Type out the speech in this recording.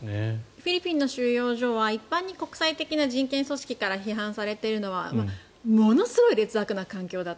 フィリピンの収容所は一般的に国際的な人権組織から批判されているのはものすごい劣悪な環境だと。